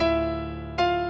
hveyang takut dong yuk mam